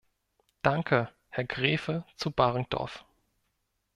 Danke, Herr Graefe zu Baringdorf.